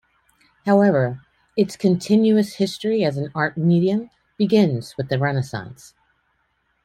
However, its "continuous" history as an art medium begins with the Renaissance.